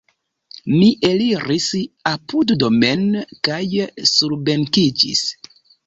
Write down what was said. Mi eliris apuddomen kaj surbenkiĝis.